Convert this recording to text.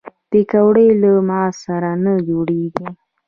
پکورې له مغز سره نه جوړېږي